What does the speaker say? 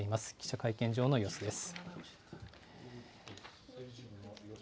記者会見場の様子です。